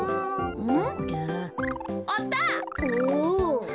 うん？